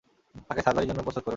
তাকে সার্জারির জন্য প্রস্তুত করুন।